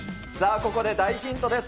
ここで、大ヒントです。